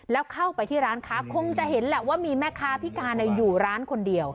แล้วเข้าไปที่ร้านค้าคงจะเห็นแหละว่ามีแม่ค้าพิการอยู่ร้านคนเดียว